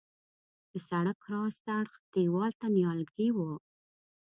د سړک راست اړخ دیوال ته نیالګي وه.